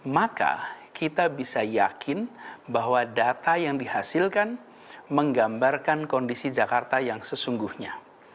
maka kita bisa yakin bahwa data yang dihasilkan menggambarkan kondisi jakarta yang sesungguhnya